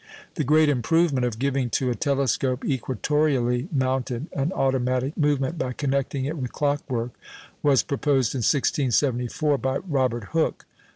The great improvement of giving to a telescope equatoreally mounted an automatic movement by connecting it with clockwork, was proposed in 1674 by Robert Hooke.